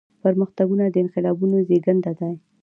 پرمختګونه د انقلابونو زيږنده دي.